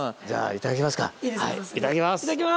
いただきます。